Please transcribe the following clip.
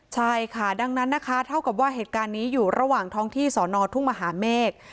ใช่ค่ะดังนั้นนะคะเท่ากับว่าเหตุการณ์นี้อยู่ระหว่างท้องที่สอนอทุ่งมหาเมฆ